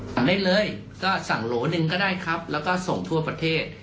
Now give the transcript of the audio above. สั่งได้เลยก็สั่งโหลหนึ่งก็ได้ครับแล้วก็ส่งทั่วประเทศ